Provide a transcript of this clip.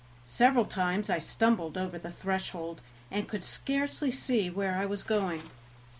Several times I stumbled over the threshold, and could scarcely see where I was going.